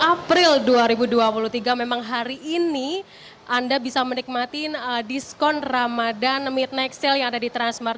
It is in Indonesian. dua puluh april dua ribu dua puluh tiga memang hari ini anda bisa menikmati diskon ramadan midnight sale yang ada di transmart